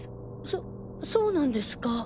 そそうなんですか？